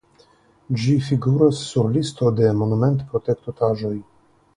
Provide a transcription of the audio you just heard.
Ĝi figuras sur listo de monumentprotektotaĵoj.